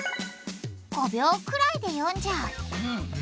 ５秒くらいで読んじゃう。